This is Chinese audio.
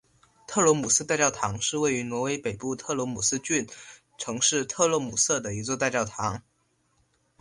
特罗姆瑟大教堂是位于挪威北部特罗姆斯郡城市特罗姆瑟的一座大教堂。